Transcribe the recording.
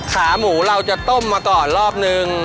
ขาหมูเราจะต้มมาก่อนรอบนึง